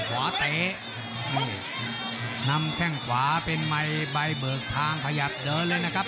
ขวาเตนำแค่งขวาเป็นใหม่ใบเบิกทางขยับเดินเลยนะครับ